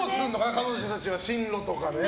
彼女たちは進路とか。